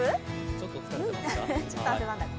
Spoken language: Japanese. ちょっと汗ばんだかな？